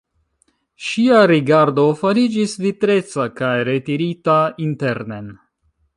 Ŝia rigardo fariĝis vitreca kaj retirita internen.